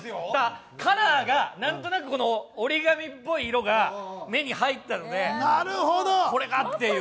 なんとなく折り紙っぽい色が目に入ったので、これだという。